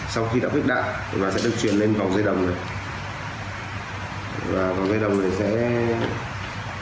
sau khi đã khuyết đại nó sẽ được chuyển lên vòng dây đồng này